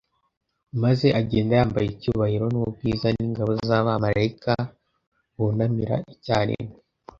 Maze agenda yambaye icyubahiro n'ubwiza, n'ingabo z'abamaraika bunamira icyarimwe